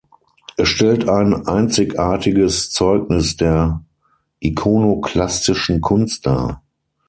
Es stellt ein einzigartiges Zeugnis der ikonoklastischen Kunst dar.